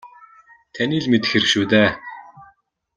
Таны л мэдэх хэрэг шүү дээ.